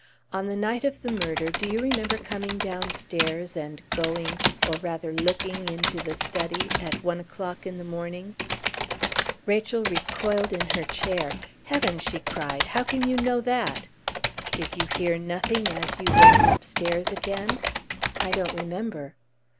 On the night of the murder do you remember coming downstairs and going or rather looking into the study at one o'clock in the morning?" Rachel recoiled in her chair. "Heavens!" she cried. "How can you know that?" "Did you hear nothing as you went upstairs again?" "I don't remember."